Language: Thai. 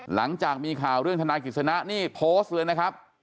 หลังจากมีข่าวเรื่องธนายกิจสนะนี่โพสต์เลยนะครับ